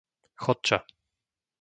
Chotča